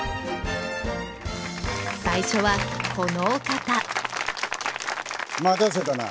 最初はこのお方待たせたな。